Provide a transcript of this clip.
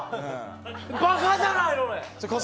バカじゃないの！